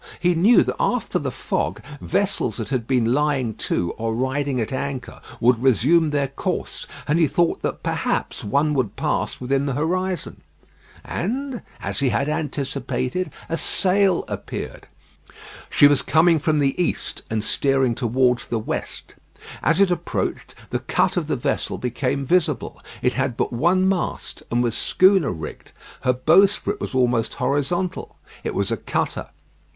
He knew that after the fog, vessels that had been lying to or riding at anchor would resume their course; and he thought that perhaps one would pass within the horizon. And, as he had anticipated, a sail appeared. She was coming from the east and steering towards the west. As it approached the cut of the vessel became visible. It had but one mast, and was schooner rigged. Her bowsprit was almost horizontal. It was a cutter.